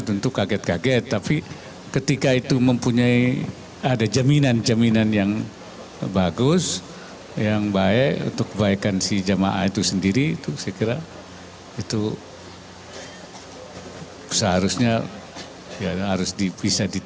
tentu kaget kaget tapi ketika itu mempunyai ada jaminan jaminan yang bagus yang baik untuk kebaikan si jamaah itu sendiri itu saya kira itu seharusnya bisa diterima